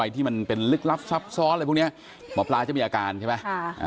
ที่มันเป็นลึกลับซับซ้อนอะไรพวกนี้หมอปลาจะมีอาการใช่ไหม